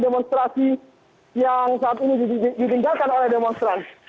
demonstrasi yang saat ini didengarkan oleh demonstran